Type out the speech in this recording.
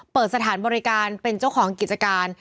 เปิดสถานบริการเป็นเจ้าของกิจการ